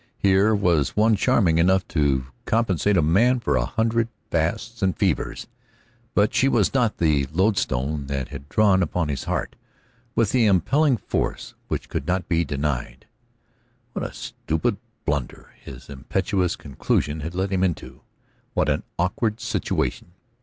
Here was one charming enough to compensate a man for a hundred fasts and fevers, but she was not the lodestone that had drawn upon his heart with that impelling force which could not be denied. What a stupid blunder his impetuous conclusion had led him into; what an awkward situation!